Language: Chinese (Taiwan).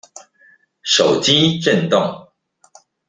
手機震動